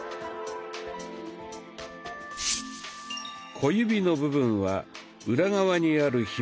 小指の部分は裏側にあるひもを動かします。